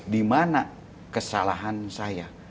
dimana kesalahan saya